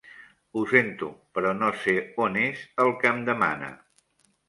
Ho sento, però no sé on és el que em demana.